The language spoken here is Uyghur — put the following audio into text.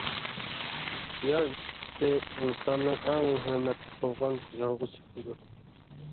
ئىختىيار سۈپىتى ئىنساننىڭ ئەڭ ھۆرمەتلىك بولغان يالغۇز سۈپىتىدۇر.